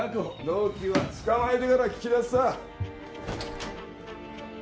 動機は捕まえてから聞き出すさ。